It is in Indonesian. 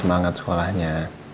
reina semangat sekolahnya